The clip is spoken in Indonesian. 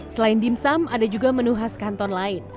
selain dimsum ada juga menu khas kanton lain